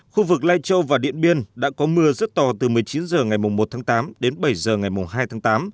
khu vực lai châu và điện biên đã có mưa rất to từ một mươi chín h ngày một tháng tám đến bảy h ngày hai tháng tám